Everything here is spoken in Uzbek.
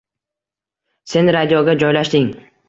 Sen radioga joylashding